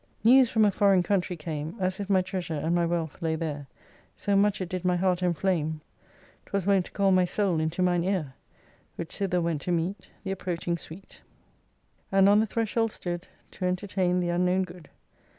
1 News from a foreign country came, As if my treasure and my wealth lay there : So much it did my heart enflame 'Twas wont to call my soul into mine ear ! Which thither went to meet The approaching sweet : And on the threshold stood, To entertain the unknown good.